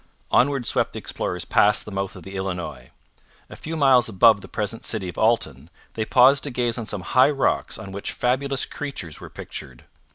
Onward swept the explorers past the mouth of the Illinois. A few miles above the present city of Alton they paused to gaze on some high rocks on which fabulous creatures were pictured.